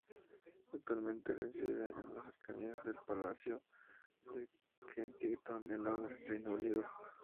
Actualmente reside en las cercanías del palacio de Kensington en Londres, Reino Unido.